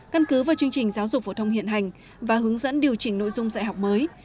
căn cứ vào chương trình giáo dục phổ thông hiện hành và hướng dẫn điều chỉnh nội dung dạy học mới